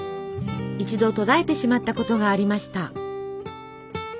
一度途絶えてしまったことがありました。